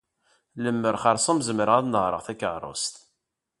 Lemer xeṛṣum zemreɣ ad nehṛeɣ takeṛṛust.